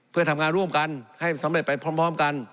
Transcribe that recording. เพื่อทำงานร่วมกันให้สำเร็จไปพร้อมกัน